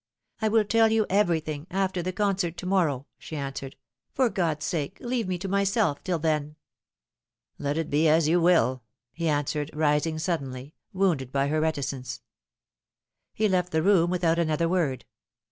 I will tell you everything after the concert to morrow," she answered ;" for God's sake leave me to myself till then." "Let it be as you will," he answered, rising suddenly, wounded by her reticence. He left the room without another word.